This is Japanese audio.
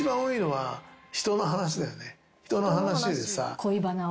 恋バナを。